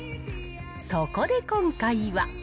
そこで今回は。